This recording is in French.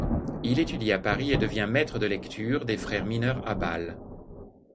Il étudie à Paris et devient maître de lecture des frères mineurs à Bâle.